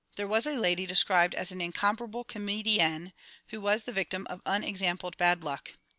There was a lady described as an "incomparable Comedienne," who was the victim of unexampled bad luck.